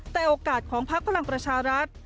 แต่โอกาสของพักพลังประชารัฐ